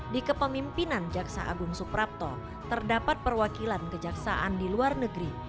di kepemimpinan jaksa agung suprapto terdapat perwakilan kejaksaan di luar negeri